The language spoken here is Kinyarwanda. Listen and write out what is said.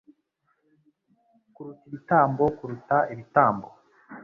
kuruta ibitambo kuruta ibitambo